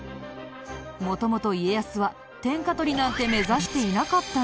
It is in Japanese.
元々家康は天下取りなんて目指していなかったみたい。